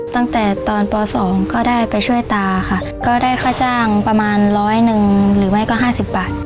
ตั้งแต่ตอนป๒ก็ได้ไปช่วยตาค่ะก็ได้ค่าจ้างประมาณร้อยหนึ่งหรือไม่ก็ห้าสิบบาท